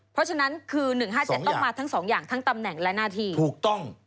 เพราะฉะนั้นคือ๑๕๗ต้องมาทั้งสองอย่างทั้งตำแหน่งและหน้าที่ถูกต้อง